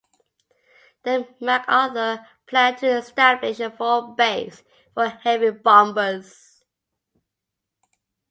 There, MacArthur planned to establish a forward base for heavy bombers.